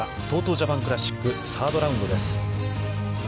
ジャパンクラシックサードラウンドです。